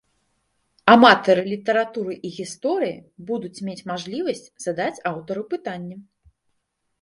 Аматары літаратуры і гісторыі будуць мець мажлівасць задаць аўтару пытанні.